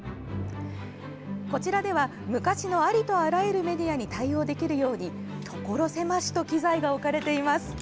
こちらでは昔のありとあらゆるメディアに対応できるようにところ狭しと機材が置かれています。